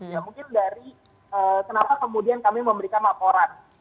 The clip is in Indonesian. ya mungkin dari kenapa kemudian kami memberikan laporan